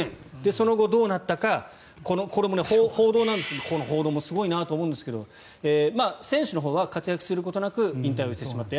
その後、どうなったかその後の報道なんですがこの報道もすごいなと思いますが選手のほうは活躍をすることなく引退してしまった。